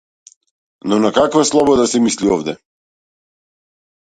Но на каква слобода се мисли овде?